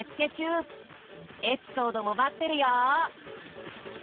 エピソードも待ってるよ！